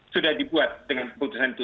sudah dibuat dengan keputusan itu